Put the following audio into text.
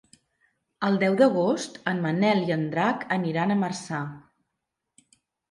El deu d'agost en Manel i en Drac aniran a Marçà.